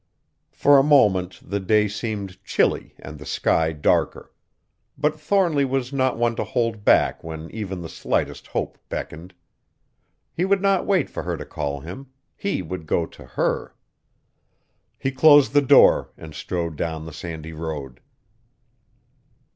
For a moment the day seemed chilly and the sky darker. But Thornly was not one to hold back when even the slightest hope beckoned. He would not wait for her to call him, he would go to her! He closed the door and strode down the sandy road.